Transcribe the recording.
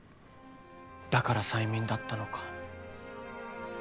だから催眠だったのか。